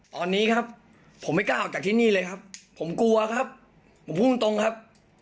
ตอนนี้ครับผมไม่กล้าออกจากที่นี่เลยครับผมกลัวครับผมพูดตรงครับ